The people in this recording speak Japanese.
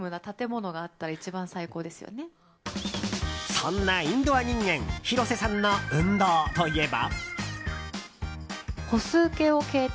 そんなインドア人間広瀬さんの運動といえば。